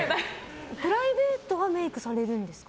プライベートはメイクされるんですか？